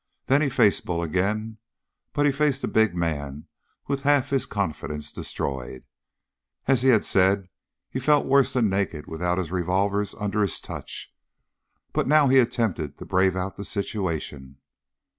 Then he faced Bull again, but he faced the big man with half his confidence destroyed. As he had said, he felt worse than naked without his revolvers under his touch, but now he attempted to brave out the situation.